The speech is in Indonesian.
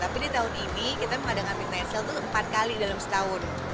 tapi di tahun ini kita mengadakan midnight sale tuh empat kali dalam setahun